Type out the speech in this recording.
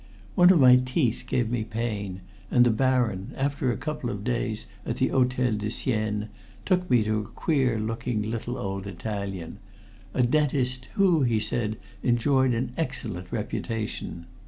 One of my teeth gave me pain, and the Baron, after a couple of days at the Hotel de Sienne, took me to a queer looking little old Italian a dentist who, he said, enjoyed an excellent reputation.